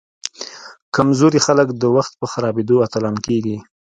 کمزوري خلک د وخت په خرابیدو اتلان کیږي.